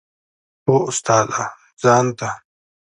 هو استاده ځان ته.